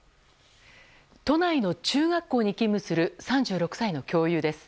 都内の中学校に勤務する３６歳の教諭です。